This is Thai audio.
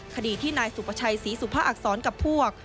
คดีที่นายสุประชัยศรีสุภาอักษรกับพวก